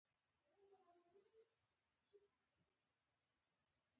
انګلستان په ځانګړي کال کې د مالیې قانون وضع کړ.